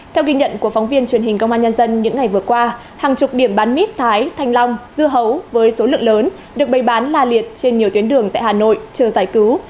theo ghi nhận của phóng viên truyền hình công an nhân dân những ngày vừa qua hàng chục điểm bán mít thái thanh long dưa hấu với số lượng lớn được bày bán la liệt trên nhiều tuyến đường tại hà nội chờ giải cứu